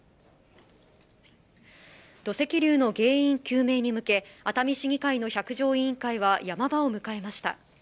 土石流の原因究明に向け、熱海市議会の百条委員会は山場を迎えました。